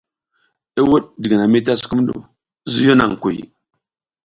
I wuɗ jiginami ta sukumuŋ, zuyo naŋ kuy.